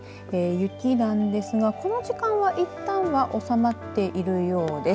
雪なんですがこの時間はいったんは収まっているようです。